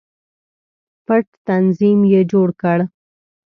پټ تنظیم یې جوړ کړ.